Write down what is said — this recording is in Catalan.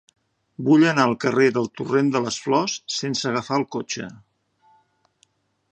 Vull anar al carrer del Torrent de les Flors sense agafar el cotxe.